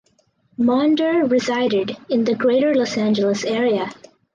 Maunder resided in the Greater Los Angeles Area.